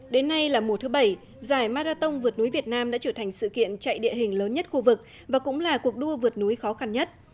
đến nay là mùa thứ bảy giải marathon vượt núi việt nam đã trở thành sự kiện chạy địa hình lớn nhất khu vực và cũng là cuộc đua vượt núi khó khăn nhất